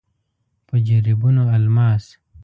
په جريبونو الماس.